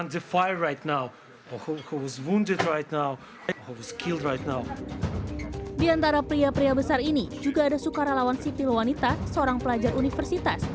di antara pria pria besar ini juga ada sukarelawan sipil wanita seorang pelajar universitas